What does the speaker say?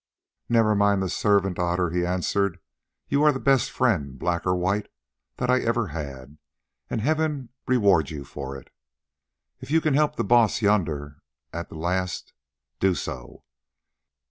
"Never mind the servant, Otter," he answered; "you are the best friend, black or white, that ever I had, and Heaven reward you for it. If you can help the Baas yonder at the last, do so.